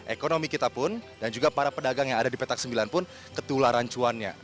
ekonomi kita pun dan juga para pedagang yang ada di petak sembilan pun ketularan cuannya